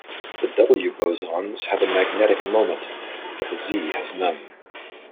The W bosons have a magnetic moment, but the Z has none.